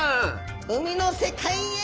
海の世界へ。